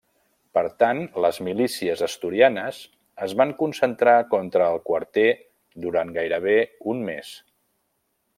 Per tant, les milícies asturianes es van concentrar contra el quarter durant gairebé un mes.